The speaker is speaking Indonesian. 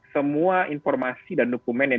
semua informasi dan dokumen yang